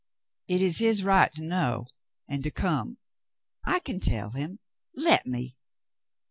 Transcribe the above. It is his right to know and to come. I can tell him. Let me."